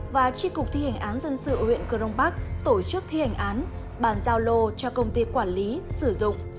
và tri cục thi hành án dân sự huyện cơ rông bắc tổ chức thi hành án bàn giao lô cho công ty quản lý sử dụng